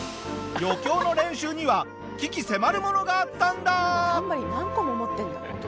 余興の練習には鬼気迫るものがあったんだ！